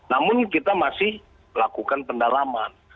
namun kita masih lakukan pendalaman